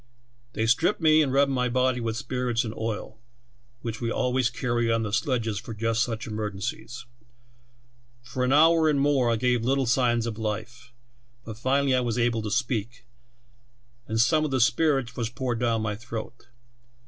"They stripped me, and rubbed my body with spirits and oil, which we always carry on the sledges for just such emergencies. For an hour and more I gave little signs of life, but finally I was able to speak, and some of the spirits was poured down my throat.